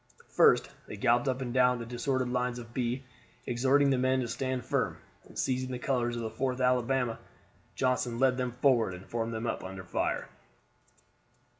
First they galloped up and down the disordered lines of Bee, exhorting the men to stand firm; and seizing the colors of the 4th Alabama, Johnston led them forward and formed them up under fire.